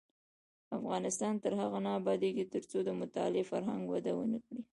افغانستان تر هغو نه ابادیږي، ترڅو د مطالعې فرهنګ وده ونه کړي.